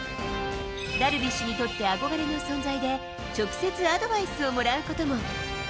ダルビッシュにとって憧れの存在で、直接アドバイスをもらうことも。